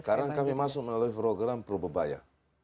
sekarang kami masuk melalui program probebaya